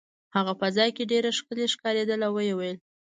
هغه په ځای کې ډېره ښکلې ښکارېده او ویې ویل.